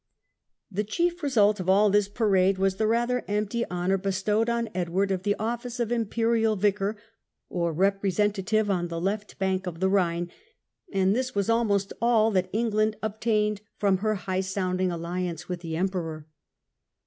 The chief result of all this parade was the rather empty honour bestowed on Edward of the office of Imperial Vicar or representative on the left bank of the Ehine, and this was almost all that England obtained from her high sounding alliance with the Emperor.